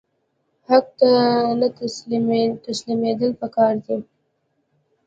حق ته تسلیمیدل پکار دي